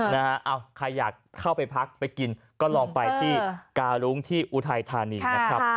ใครอยากเข้าไปพักไปกินก็ลองไปที่การุ้งที่อุทัยธานีนะครับ